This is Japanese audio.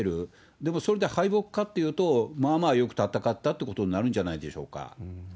でも、それで敗北かっていうと、まあまあ良く戦ったってことになるんじゃないでしょうか。